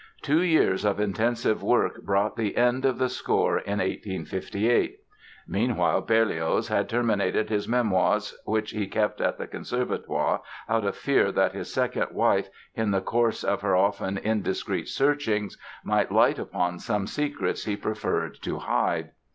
Two years of intensive work brought the end of the score in 1858. Meanwhile Berlioz had terminated his Memoirs, which he kept at the Conservatoire out of fear that his second wife, in the course of her often indiscreet searchings, might light upon some secrets he preferred to hide.